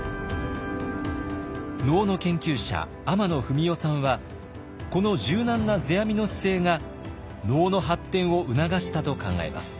能の研究者天野文雄さんはこの柔軟な世阿弥の姿勢が能の発展を促したと考えます。